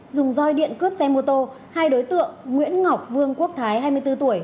dùng roi điện cướp xe mô tô hai đối tượng nguyễn ngọc vương quốc thái hai mươi bốn tuổi